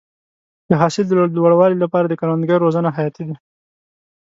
د حاصل د لوړوالي لپاره د کروندګرو روزنه حیاتي ده.